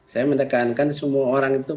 saya mendekankan semua orang itu